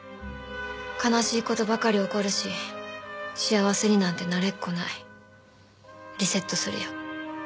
「悲しいことばかり起こるし幸せになんてなれっこない」「リセットするよ」